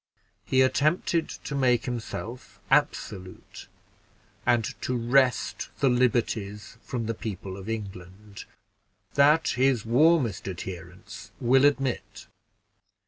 He attempted to make himself absolute, and to wrest the liberties from the people of England: that his warmest adherents will admit.